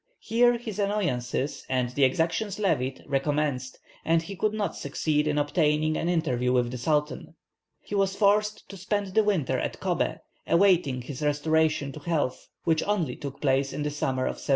Here his annoyances and the exactions levied recommenced, and he could not succeed in obtaining an interview with the Sultan. He was forced to spend the winter at Cobbeh, awaiting his restoration to health, which only took place in the summer of 1794.